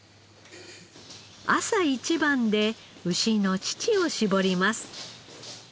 朝一番で牛の乳を搾ります。